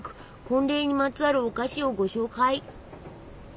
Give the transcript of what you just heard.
婚礼にまつわるお菓子をご紹介！